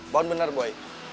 bahan bener boy